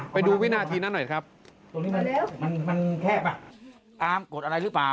ไปดูวินาทีนั่นหน่อยครับมันแคบอาร์มกดอะไรรึเปล่า